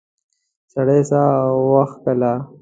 سړی ساه وکیښله.